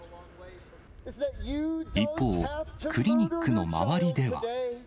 一方、クリニックの周りでは。